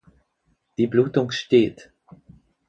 Die Blutung steht.